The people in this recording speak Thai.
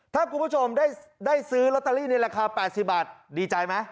ถ้าคุณผู้ชมได้ซื้อลอตเตอรี่ในราคา๘๐บาทดีใจไหม